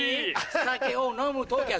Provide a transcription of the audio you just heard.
酒を飲むときゃ